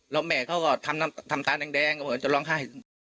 แล้วแม่เขาก็ทำตาแดงเพราะจะร้องไห้